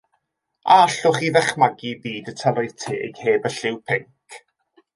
A allwch chi ddychmygu byd y tylwyth teg heb y lliw pinc?